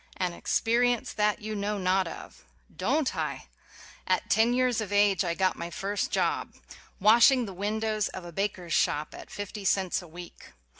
"An experience that you know not of"! Don't I? At ten years of age I got my first job: washing the windows of a baker's 8 WHY I BELIEVE IN POVERTY shop at fifty cents a week.